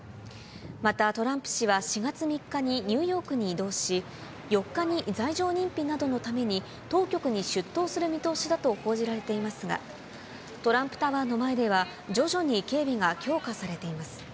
また、トランプ氏は４月３日に、ニューヨークに移動し、４日に罪状認否などのために当局に出頭する見通しだと報じられていますが、トランプタワーの前では徐々に警備が強化されています。